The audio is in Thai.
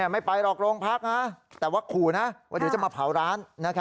ไม่ไปหรอกโรงพักนะแต่ว่าขู่นะว่าเดี๋ยวจะมาเผาร้าน